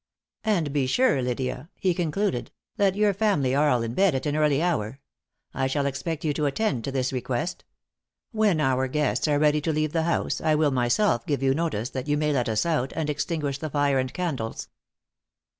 "And be sure, Lydia," he concluded, "that your family are all in bed at an early hour. I shall expect you to attend to this request. When our guests are ready to leave the house, I will myself give you notice, that you may let us out, and extinguish the fire and candles."